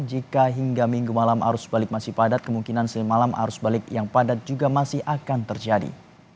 jika hingga minggu malam arus balik masih padat kemungkinan semalam arus balik yang padat juga masih akan terjadi